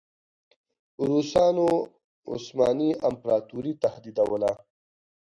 روسانو عثماني امپراطوري تهدیدوله.